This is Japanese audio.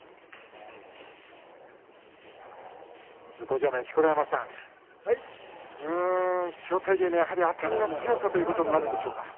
向正面の錣山さん千代大龍のあたりの強さということがあるんでしょうか。